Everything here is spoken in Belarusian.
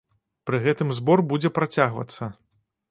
Пры гэтым збор будзе працягвацца.